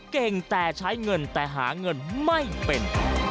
เก่งแต่ใช้เงินแต่หาเงินไม่เป็น